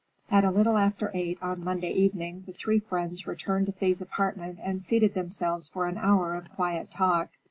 At a little after eight on Monday evening, the three friends returned to Thea's apartment and seated themselves for an hour of quiet talk.